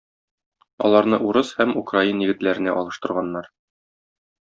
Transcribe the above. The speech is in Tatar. Аларны урыс һәм украин егетләренә алыштырганнар.